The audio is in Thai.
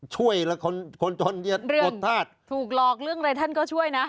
ช่วยคนคนจนกดทาสถูกหลอกเรื่องอะไรท่านก็ช่วยนะ